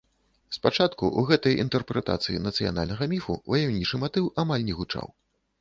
Спачатку ў гэтай інтэрпрэтацыі нацыянальнага міфу ваяўнічы матыў амаль не гучаў.